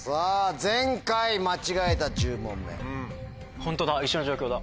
ホントだ一緒の状況だ。